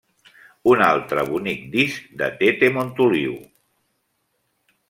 Un altre bonic disc de Tete Montoliu.